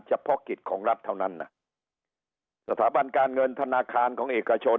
เฉพาะกิจของรัฐเท่านั้นนะสถาบันการเงินธนาคารของเอกชน